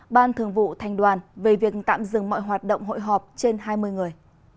ban thường vụ thành đoàn về việc tạm dừng mọi hoạt động hội họp trên hai mươi người